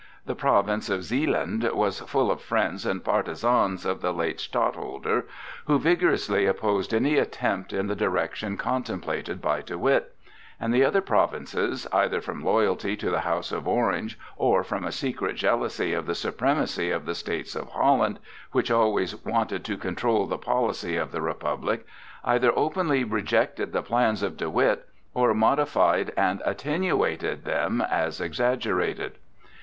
The province of Zealand was full of friends and partisans of the late stadtholder, who vigorously opposed any attempt in the direction contemplated by De Witt; and the other provinces, either from loyalty to the house of Orange, or from a secret jealousy of the supremacy of the states of Holland, which always wanted to control the policy of the Republic, either openly rejected the plans of De Witt or modified and attenuated them as exaggerated.